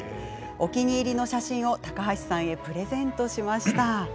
お気に入りの写真を高橋さんへプレゼントしました。